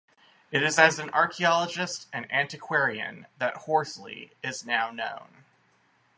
It is as an archaeologist and antiquarian that Horsley is now known.